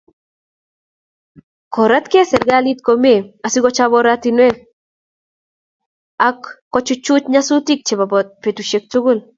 Koratkei serkalit komie asi kochob oratinwek ak kochuchuch nyasutik chebo betusiektugul